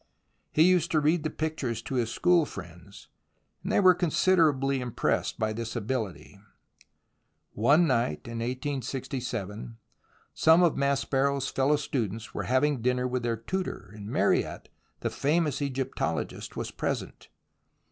He used to read the pictures to his school friends, and they were considerably impressed by this ability. One night in 1867, some of Maspero 's fellow students were having dinner with their tutor, and Mariette, the famous Egyptologist, was present.